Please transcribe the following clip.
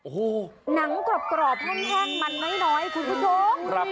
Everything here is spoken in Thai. หนังกรอบแห้งมันน้อยคุณผู้โชค